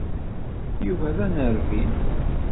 Yuba d anerbi.